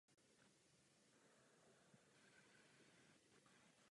To je otázka pro Komisi a Radu.